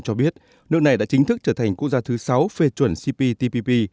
cho biết nước này đã chính thức trở thành quốc gia thứ sáu phê chuẩn cptpp